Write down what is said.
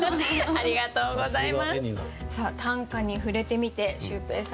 ありがとうございます。